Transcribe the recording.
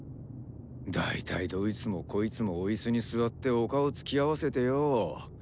大体どいつもこいつもおイスに座ってお顔突き合わせてよ。